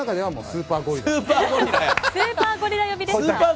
スーパーゴリラ呼びですか。